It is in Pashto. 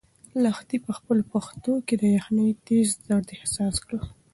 لښتې په خپلو پښو کې د یخنۍ تېز درد احساس کړ.